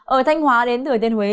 ở thanh hóa đến từ tên huế